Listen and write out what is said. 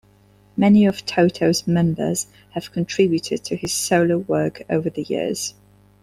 Many of Toto's members have contributed to his solo work over the years.